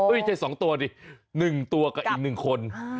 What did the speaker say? อุ๊ยไม่ใช่๒ตัวดิ๑ตัวกับอีก๑คน